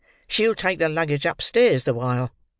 "She'll take the luggage upstairs the while.